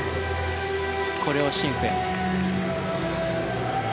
コレオシークエンス。